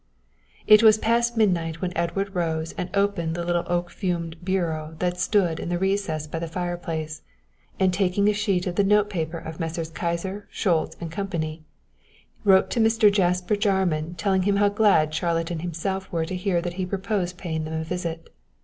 It was past midnight when Edward rose and opened the little fumed oak bureau that stood in the recess by the fire place, and taking a sheet of the notepaper of Messrs. Kyser, Schultz & Company, wrote to Mr. Jasper Jarman telling him how glad Charlotte and himself were to hear that he proposed paying them a visit.